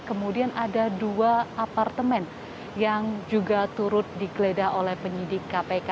kemudian ada dua apartemen yang juga turut digeledah oleh penyidik kpk